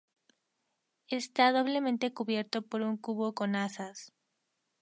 Está doblemente cubierto por un cubo con asas.